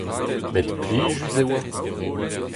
Met plijus e oa.